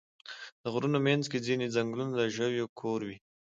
د غرونو منځ کې ځینې ځنګلونه د ژویو کور وي.